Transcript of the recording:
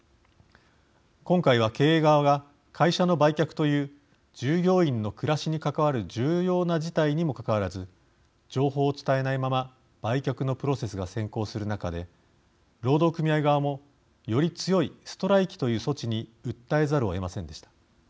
今回は、経営側が会社の売却という従業員の暮らしに関わる重要な事態にもかかわらず情報を伝えないまま売却のプロセスが先行する中で労働組合側も、より強いストライキという措置に訴えざるをえませんでした。